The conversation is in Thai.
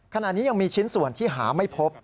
ขณะนี้ยังมีชิ้นส่วนที่หาไม่พบ